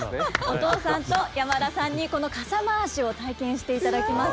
音尾さんと山田さんにこの傘回しを体験していただきます。